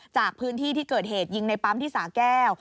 จากพื้นที่ที่เกิดเหตุยิงในปั๊มที่สาแก้ว